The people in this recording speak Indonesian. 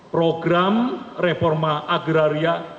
program reforma agraria diperlukan